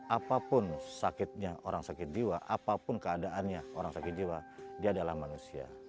apapun sakitnya orang sakit jiwa apapun keadaannya orang sakit jiwa dia adalah manusia